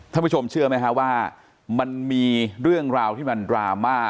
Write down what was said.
ท่านผู้ชมเชื่อไหมฮะว่ามันมีเรื่องราวที่มันดราม่า